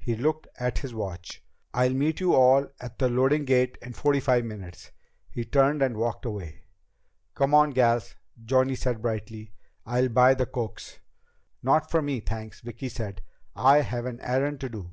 He looked at his watch. "I'll meet you all at the loading gate in forty five minutes." He turned and walked away. "Come on, gals," Johnny said brightly. "I'll buy the cokes." "Not for me, thanks," Vicki said. "I have an errand to do."